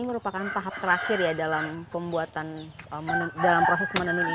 ini merupakan tahap terakhir ya dalam pembuatan dalam proses menenun ini